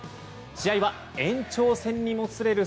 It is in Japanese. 試合は延長戦にもつれる